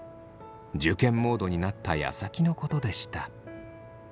受験モードになったやさきのことでした。